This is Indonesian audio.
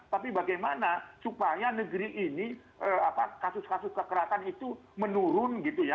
tapi bagaimana supaya negeri ini kasus kasus kekerasan itu menurun gitu ya